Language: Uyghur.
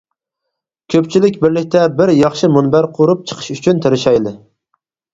كۆپچىلىك بىرلىكتە بىر ياخشى مۇنبەر قۇرۇپ چىقىش ئۈچۈن تىرىشايلى.